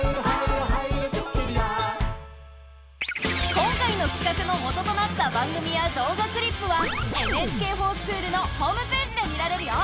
今回のきかくの元となった番組や動画クリップは「ＮＨＫｆｏｒＳｃｈｏｏｌ」のホームページで見られるよ。